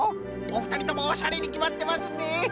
おふたりともおしゃれにきまってますね。